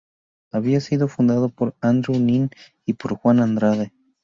Había sido fundado por Andreu Nin y por Juan Andrade.